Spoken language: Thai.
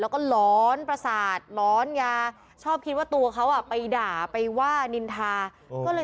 ก็เกษตรการก็ไม่ค่อนบนทีที่ทีมีการ